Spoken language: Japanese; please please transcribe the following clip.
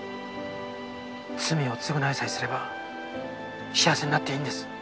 罪を償いさえすれば幸せになっていいんです。